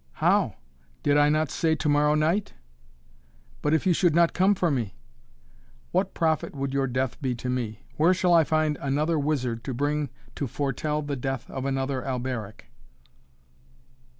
"How? Did I not say to morrow night?" "But if you should not come for me?" "What profit would your death be to me? Where shall I find another wizard to bring to foretell the death of another Alberic?"